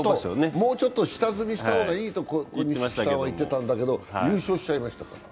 もうちょっと下積みした方がいいと小錦さんは言ってたんですけど優勝しちゃいましたから。